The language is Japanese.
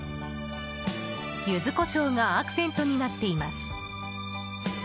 ユズコショウがアクセントになっています。